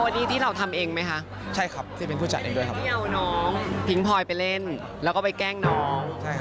ตีนียาวน้องพิงพลอยไปเล่นแล้วก็ไปแกล้งน้อง